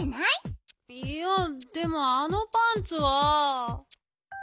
いやでもあのパンツは。